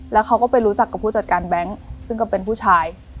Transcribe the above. แล้วเขาก็ไปรู้จักกับผู้จัดการแบงค์ซึ่งก็เป็นผู้ชาย